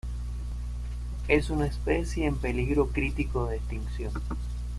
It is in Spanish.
Es una especie en peligro crítico de extinción.